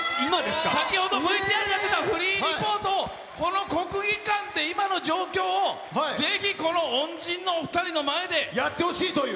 先ほどＶＴＲでやってたフリーリポートを、この国技館で今の状況をぜひこの恩人のお２人の前やってほしいという。